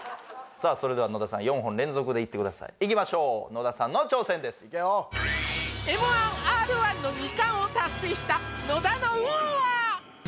それでは野田さん４本連続でいってくださいいきましょう野田さんの挑戦ですＭ−１Ｒ−１の２冠を達成した野田の運は？